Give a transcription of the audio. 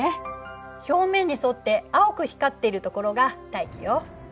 表面に沿って青く光ってるところが大気よ。